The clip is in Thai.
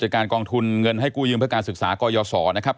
การกองทุนเงินให้กู้ยืมเพื่อการศึกษากยศนะครับ